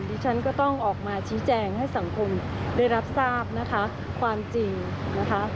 ดิฉันก็ต้องออกมาชี้แจงให้สังคมได้รับทราบนะคะความจริงนะคะ